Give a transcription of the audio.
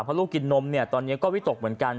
เพราะลูกกินนมเนี่ยตอนนี้ก็วิตกเหมือนกัน